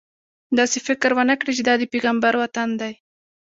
داسې فکر ونه کړې چې دا د پیغمبر وطن دی.